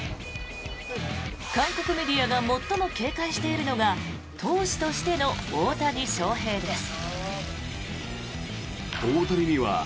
韓国メディアが最も警戒しているのが投手としての大谷翔平です。